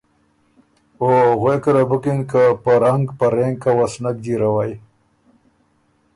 او غوېکه له بُکِن که په رنګه په رېنکه و سُو نک جیروئ